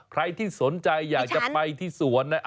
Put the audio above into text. ใครที่สนใจอยากจะไปที่สวนนะ